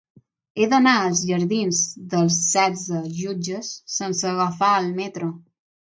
He d'anar als jardins d'Els Setze Jutges sense agafar el metro.